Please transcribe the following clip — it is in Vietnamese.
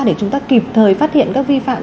để chúng ta kịp thời phát hiện các vi phạm